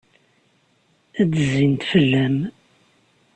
Ad d-zrint fell-am.